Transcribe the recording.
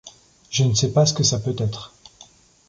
Je ne sais pas ce que ça peut être.